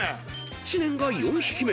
［知念が４匹目。